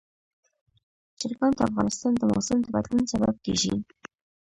چرګان د افغانستان د موسم د بدلون سبب کېږي.